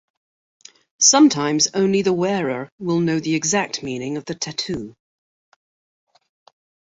Sometimes, only the wearer will know the exact meaning of the tattoo.